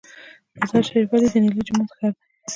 مزار شریف ولې د نیلي جومات ښار دی؟